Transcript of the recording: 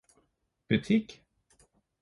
butikk